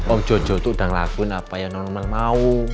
om jojo tuh udah ngelakuin apa yang non non mau